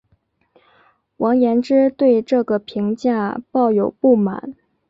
王延之对这个评价抱有不满。